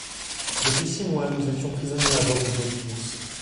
Depuis six mois nous étions prisonniers à bord du Nautilus.